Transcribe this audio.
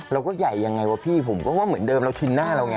เราก็ใหญ่ยังไงวะพี่ผมก็ว่าเหมือนเดิมเราชินหน้าเราไง